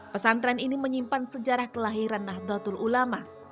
pesantren ini menyimpan sejarah kelahiran nahdlatul ulama